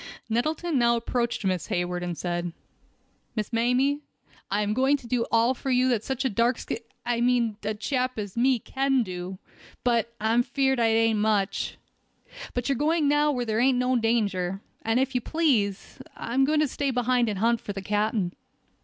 Nettleton now approached Miss Hayward, and said: "Miss Mamie, I am going to do all for you such a darn sk— I mean such a chap as me can do; but, I'm feard that ain't much. But you're going now where there ain't no danger, and if you please, I'm a going to stay behind and hunt for the captain."